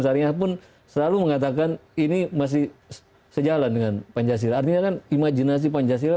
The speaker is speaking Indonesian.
syariah pun selalu mengatakan ini masih sejalan dengan pancasila artinya kan imajinasi pancasila